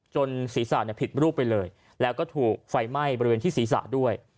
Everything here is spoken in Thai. ศีรษะผิดรูปไปเลยแล้วก็ถูกไฟไหม้บริเวณที่ศีรษะด้วย